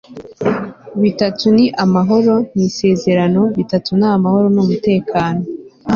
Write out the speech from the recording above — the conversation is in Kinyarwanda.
bitatu ni amahoro nisezerano; bitatu ni amahoro n'umutekano